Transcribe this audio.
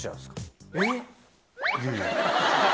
いやいや。